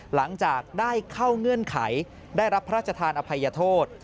หลังจากได้เข้าเงื่อนไขได้รับพระราชทานอภัยโทษ